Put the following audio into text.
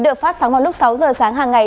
được phát sóng vào lúc sáu giờ sáng hàng ngày